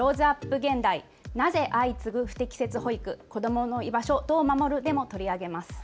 現代、なぜ相次ぐ不適切保育子どもの居場所どう守るでも取り上げます。